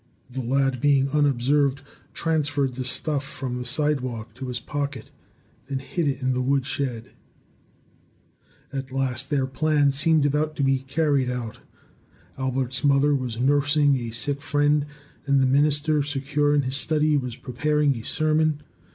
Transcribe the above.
The lad, being unobserved, transferred the stuff from the sidewalk to his pocket, then hid it in the wood shed. At last their plan seemed about to be carried out. Albert's mother was nursing a sick friend, and the minister, secure in his study, was preparing a sermon.